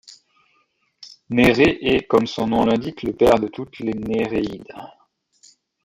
Nérée est, comme son nom l'indique, le père de toutes les Néréides.